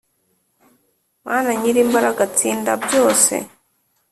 mana, nyir’imbaraga tsinda byose,